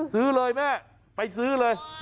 ซื้อเลยแม่ไปซื้อเลย